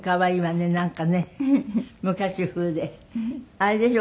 あれでしょ？